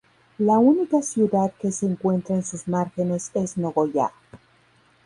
La única ciudad que se encuentra en sus márgenes es Nogoyá.